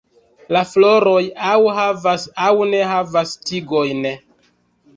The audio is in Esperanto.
La floroj aŭ havas aŭ ne havas tigojn.